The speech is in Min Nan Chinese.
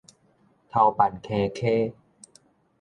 頭汴坑溪